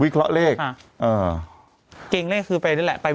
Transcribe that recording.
เกรงเลขคือไปนี่แหละ